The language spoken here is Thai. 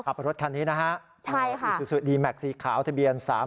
กลับมารถคันนี้นะคะใช่ค่ะอีซูซูดีแม็กซ์สี่ขาวทะเบียนสาม